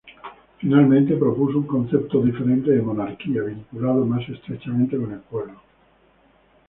Finalmente, propuso un concepto diferente de monarquía: vinculado más estrechamente con el pueblo.